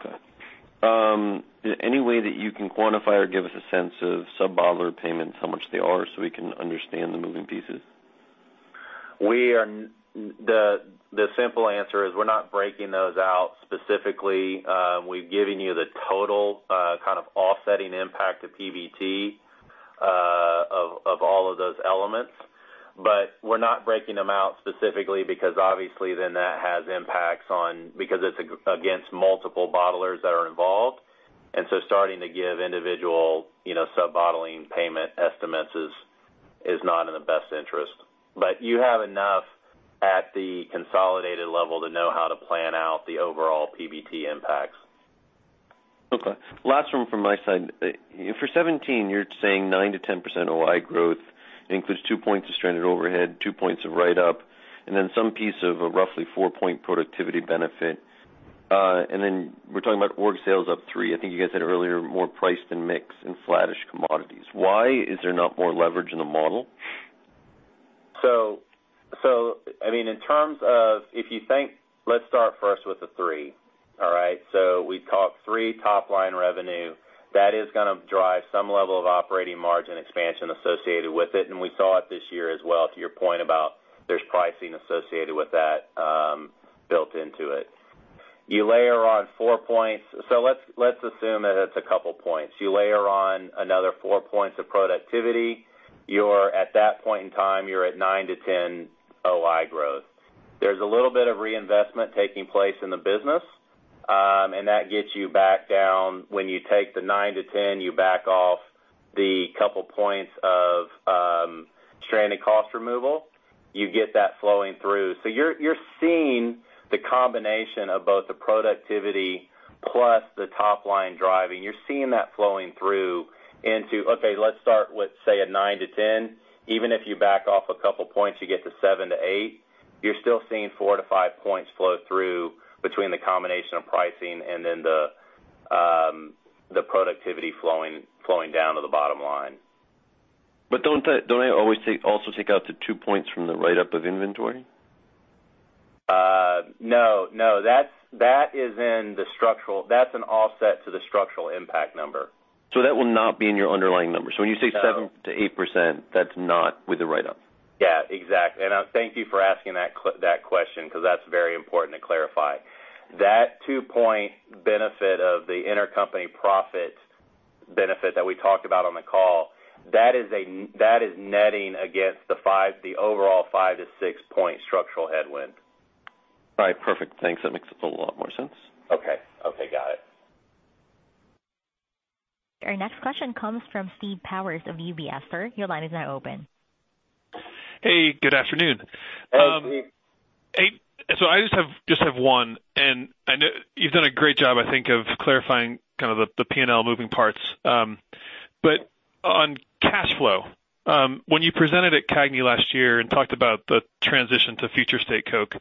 Okay. Is there any way that you can quantify or give us a sense of sub-bottler payments, how much they are, so we can understand the moving pieces? The simple answer is we're not breaking those out specifically. We've given you the total offsetting impact to PBT of all of those elements. We're not breaking them out specifically because obviously then that has impacts, because it's against multiple bottlers that are involved. Starting to give individual sub-bottling payment estimates is not in the best interest. You have enough at the consolidated level to know how to plan out the overall PBT impacts. Okay. Last one from my side. For 2017, you're saying 9%-10% OI growth. It includes two points of stranded overhead, two points of write-up, and then some piece of a roughly four-point productivity benefit. We're talking about organic sales up 3%. I think you guys said earlier, more price than mix and flattish commodities. Why is there not more leverage in the model? Let's start first with the 3%. All right? We've talked 3% top-line revenue. That is going to drive some level of operating margin expansion associated with it, and we saw it this year as well, to your point about there's pricing associated with that built into it. You layer on four points. Let's assume that it's a couple points. You layer on another four points of productivity. At that point in time, you're at 9%-10% OI growth. There's a little bit of reinvestment taking place in the business, that gets you back down. When you take the 9%-10%, you back off the couple points of stranded cost removal, you get that flowing through. You're seeing the combination of both the productivity plus the top line driving. You're seeing that flowing through into, okay, let's start with, say, a 9%-10%. Even if you back off a couple points, you get to 7%-8%, you're still seeing four to five points flow through between the combination of pricing and then the productivity flowing down to the bottom line. Don't I always also take out the two points from the write-up of inventory? No. That's an offset to the structural impact number. That will not be in your underlying numbers. No. When you say 7%-8%, that's not with the write-up. Yeah, exactly. Thank you for asking that question because that's very important to clarify. That two-point benefit of the intercompany profit benefit that we talked about on the call, that is netting against the overall 5- to 6-point structural headwind. All right. Perfect. Thanks. That makes a lot more sense. Okay. Got it. Our next question comes from Steve Powers of UBS. Sir, your line is now open. Hey, good afternoon. Hey, Steve. I just have one, and you've done a great job, I think, of clarifying kind of the P&L moving parts. On cash flow, when you presented at CAGNY last year and talked about the transition to Future State Coke,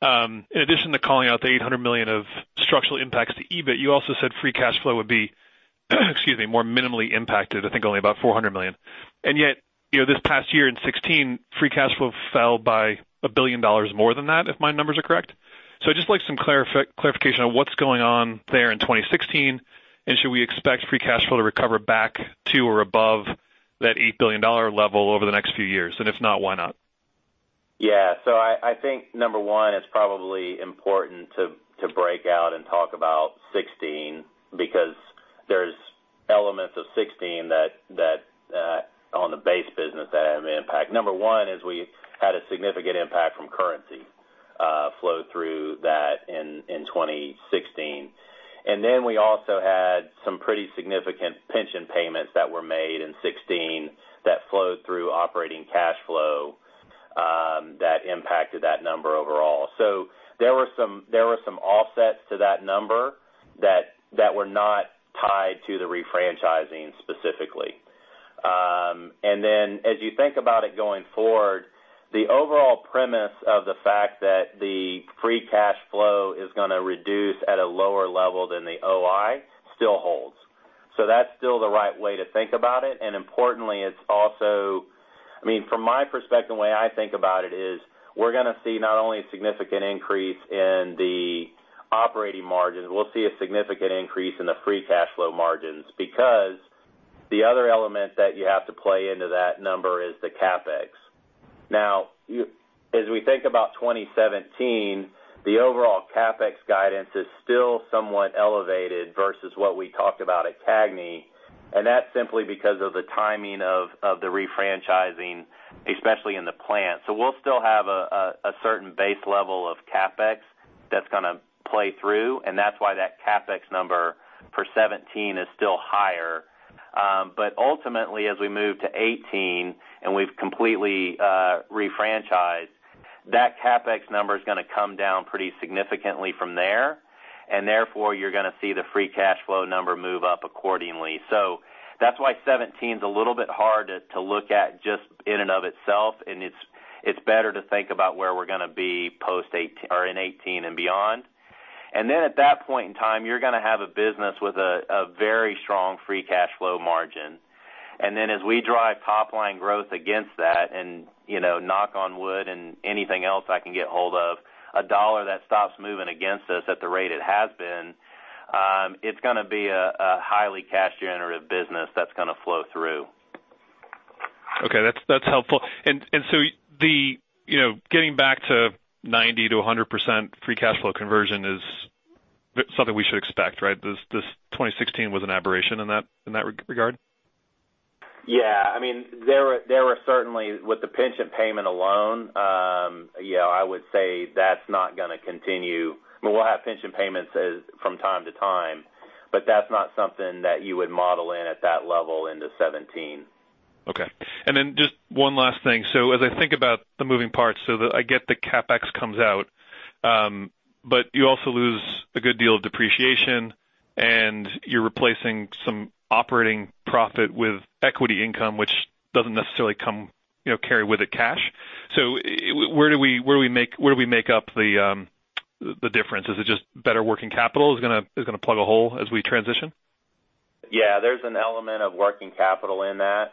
in addition to calling out the $800 million of structural impacts to EBIT, you also said free cash flow would be, excuse me, more minimally impacted, I think only about $400 million. Yet, this past year in 2016, free cash flow fell by $1 billion more than that, if my numbers are correct. I'd just like some clarification on what's going on there in 2016, and should we expect free cash flow to recover back to or above that $8 billion level over the next few years? If not, why not? Yeah. I think, number 1, it's probably important to break out and talk about 2016 because there's elements of 2016 on the base business that have impact. Number 1 is we had a significant impact from currency flow through that in 2016. We also had some pretty significant pension payments that were made in 2016 that flowed through operating cash flow that impacted that number overall. There were some offsets to that number that were not tied to the refranchising specifically. As you think about it going forward, the overall premise of the fact that the free cash flow is going to reduce at a lower level than the OI still holds. That's still the right way to think about it, and importantly, from my perspective, the way I think about it is we're going to see not only a significant increase in the operating margins, we'll see a significant increase in the free cash flow margins, because the other element that you have to play into that number is the CapEx. As we think about 2017, the overall CapEx guidance is still somewhat elevated versus what we talked about at CAGNY, and that's simply because of the timing of the refranchising, especially in the plants. We'll still have a certain base level of CapEx that's going to play through, and that's why that CapEx number for 2017 is still higher. Ultimately, as we move to 2018 and we've completely refranchised, that CapEx number's going to come down pretty significantly from there. Therefore, you're going to see the free cash flow number move up accordingly. That's why 2017's a little bit hard to look at just in and of itself, and it's better to think about where we're going to be in 2018 and beyond. At that point in time, you're going to have a business with a very strong free cash flow margin. As we drive top line growth against that, and knock on wood and anything else I can get hold of, a dollar that stops moving against us at the rate it has been, it's going to be a highly cash generative business that's going to flow through. Okay. That's helpful. Getting back to 90%-100% free cash flow conversion is something we should expect, right? This 2016 was an aberration in that regard? Yeah. There were certainly, with the pension payment alone, I would say that's not going to continue. We'll have pension payments from time to time, but that's not something that you would model in at that level into 2017. Okay. Just one last thing. As I think about the moving parts, I get the CapEx comes out. You also lose a good deal of depreciation and you're replacing some operating profit with equity income, which doesn't necessarily carry with it cash. Where do we make up the difference? Is it just better working capital is going to plug a hole as we transition? There's an element of working capital in that.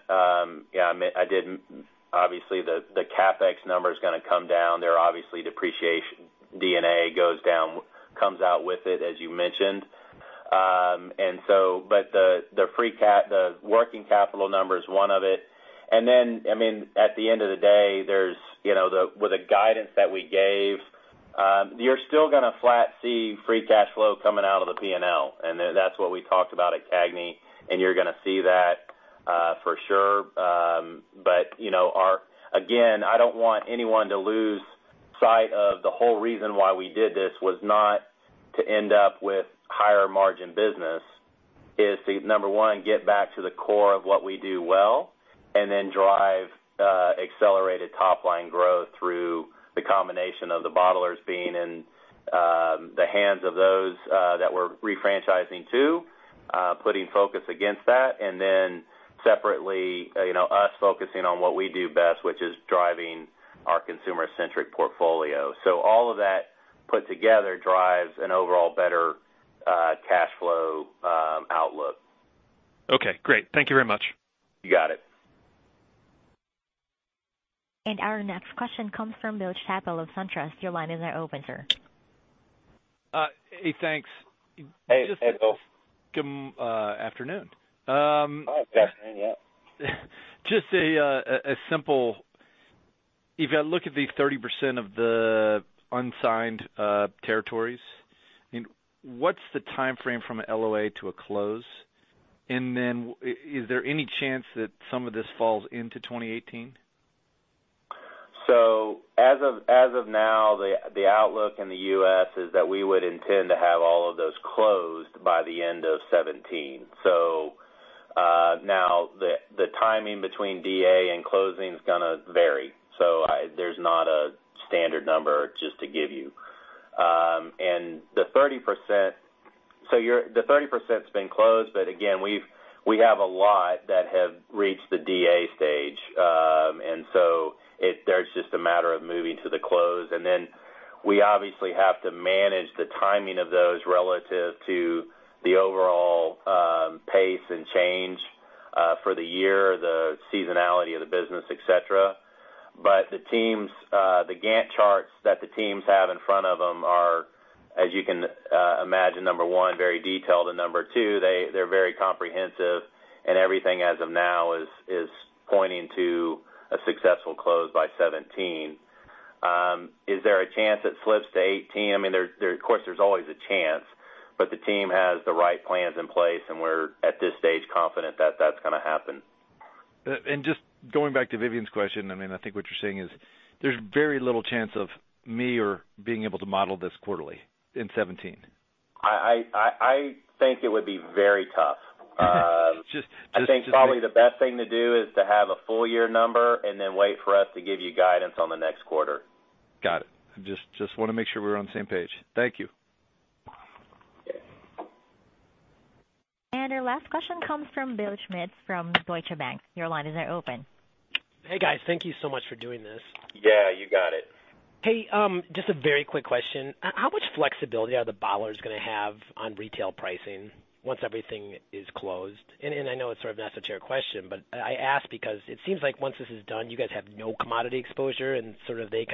Obviously, the CapEx number's going to come down. Obviously, depreciation, D&A goes down, comes out with it, as you mentioned. The working capital number is one of it. At the end of the day, with the guidance that we gave, you're still going to flat see free cash flow coming out of the P&L. That's what we talked about at CAGNY, and you're going to see that for sure. Again, I don't want anyone to lose sight of the whole reason why we did this was not to end up with higher margin business. It's to, number 1, get back to the core of what we do well and then drive accelerated top-line growth through the combination of the bottlers being in the hands of those that we're refranchising to, putting focus against that. Separately, us focusing on what we do best, which is driving our consumer-centric portfolio. All of that put together drives an overall better cash flow outlook. Great. Thank you very much. You got it. Our next question comes from Bill Chappell of Truist. Your line is now open, sir. Hey, thanks. Hey, Bill. Good afternoon. Oh, afternoon. Yep. Just a simple, if you look at the 30% of the unsigned territories, what's the timeframe from an LOA to a close? Is there any chance that some of this falls into 2018? As of now, the outlook in the U.S. is that we would intend to have all of those closed by the end of 2017. Now the timing between DA and closing is going to vary. There's not a standard number just to give you. The 30%'s been closed, but again, we have a lot that have reached the DA stage. There's just a matter of moving to the close. Then we obviously have to manage the timing of those relative to the overall pace and change for the year, the seasonality of the business, et cetera. The Gantt charts that the teams have in front of them are, as you can imagine, number one, very detailed, and number two, they're very comprehensive. Everything, as of now, is pointing to a successful close by 2017. Is there a chance it slips to 2018? Of course, there's always a chance. The team has the right plans in place, and we're, at this stage, confident that that's going to happen. Just going back to Vivien's question, I think what you're saying is there's very little chance of me being able to model this quarterly in 2017. I think it would be very tough. Just- I think probably the best thing to do is to have a full year number and then wait for us to give you guidance on the next quarter. Got it. Just want to make sure we're on the same page. Thank you. Our last question comes from Bill Schmidt from Deutsche Bank. Your line is now open. Hey, guys. Thank you so much for doing this. Yeah, you got it. Hey, just a very quick question. How much flexibility are the bottlers going to have on retail pricing once everything is closed? I know it's not necessarily a fair question, but I ask because it seems like once this is done, you guys have no commodity exposure and they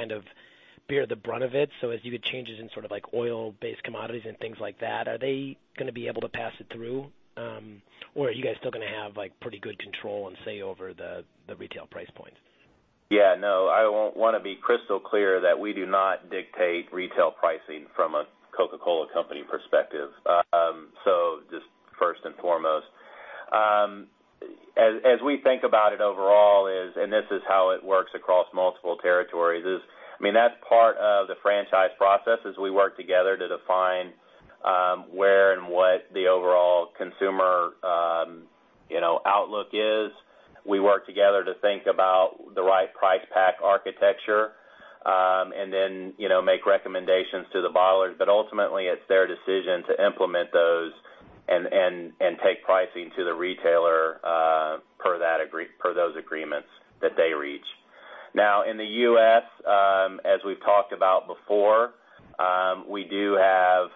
bear the brunt of it. As you get changes in oil-based commodities and things like that, are they going to be able to pass it through? Are you guys still going to have pretty good control and say over the retail price points? Yeah. No, I want to be crystal clear that we do not dictate retail pricing from a Coca-Cola Company perspective. Just first and foremost. As we think about it overall is, and this is how it works across multiple territories, that's part of the franchise process is we work together to define where and what the overall consumer outlook is. We work together to think about the right price pack architecture, and then make recommendations to the bottlers. Ultimately, it's their decision to implement those and take pricing to the retailer per those agreements that they reach. In the U.S., as we've talked about before, we do have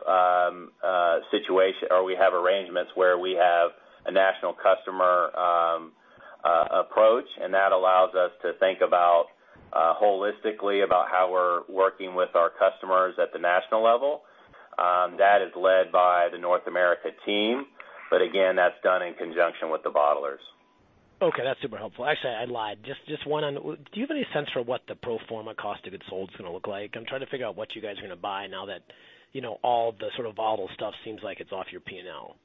arrangements where we have a national customer approach, and that allows us to think holistically about how we're working with our customers at the national level. That is led by the North America team. Again, that's done in conjunction with the bottlers. Okay. That's super helpful. Actually, I lied. Just one on-- Do you have any sense for what the pro forma cost of goods sold is going to look like? I'm trying to figure out what you guys are going to buy now that all the sort of bottle stuff seems like it's off your P&L.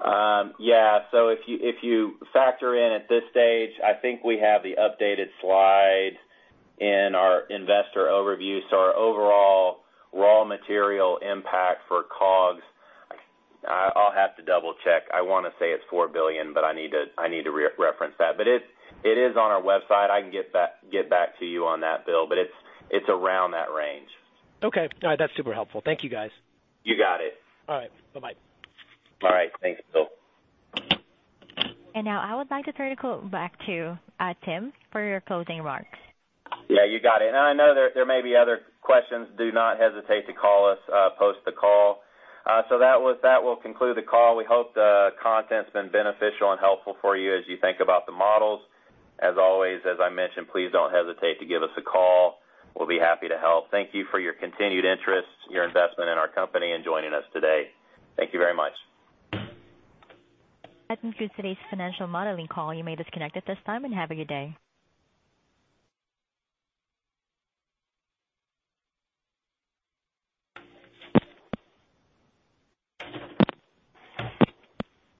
Yeah. If you factor in at this stage, I think we have the updated slide in our investor overview. Our overall raw material impact for COGS, I'll have to double-check. I want to say it's $4 billion, but I need to reference that. It is on our website. I can get back to you on that, Bill, but it's around that range. Okay. All right. That's super helpful. Thank you, guys. You got it. All right. Bye-bye. All right. Thanks, Bill. Now I would like to turn the call back to Tim for your closing remarks. Yeah, you got it. I know there may be other questions. Do not hesitate to call us post the call. That will conclude the call. We hope the content's been beneficial and helpful for you as you think about the models. As always, as I mentioned, please don't hesitate to give us a call. We'll be happy to help. Thank you for your continued interest, your investment in our company, and joining us today. Thank you very much. That concludes today's financial modeling call. You may disconnect at this time, and have a good day.